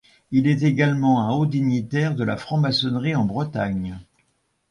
Il est également un haut dignitaire de la franc-maçonnerie en Bretagne.